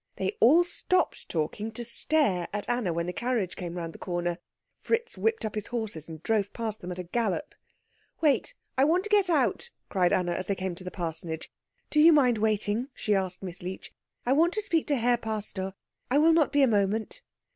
They all stopped talking to stare at Anna when the carriage came round the corner. Fritz whipped up his horses and drove past them at a gallop. "Wait I want to get out," cried Anna as they came to the parsonage. "Do you mind waiting?" she asked Miss Leech. "I want to speak to Herr Pastor. I will not be a moment."